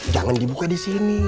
jangan dibuka di sini